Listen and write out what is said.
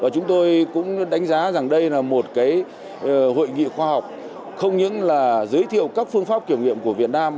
chúng tôi cũng đánh giá rằng đây là một hội nghị khoa học không những là giới thiệu các phương pháp kiểm nghiệm của việt nam